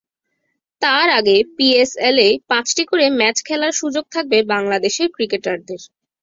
তার আগে পিএসএলে পাঁচটি করে ম্যাচ খেলার সুযোগ থাকবে বাংলাদেশের ক্রিকেটারদের।